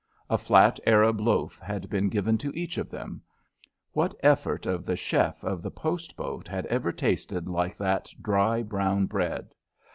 A flat Arab loaf had been given to each of them what effort of the chef of the post boat had ever tasted like that dry brown bread?